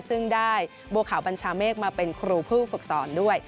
ซึ่งได้บัวขาวบัญชาเมฆมาเป็นครูผู้ฝึกสอนด้วย